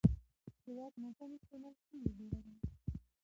د واک ناسم استعمال ستونزې جوړوي